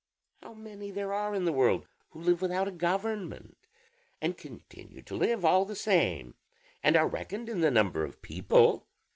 How many there are in the world who live without a government, and continue to live all the same, and are reckoned in the number of the people.